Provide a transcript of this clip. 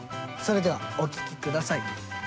それではお聴き下さい。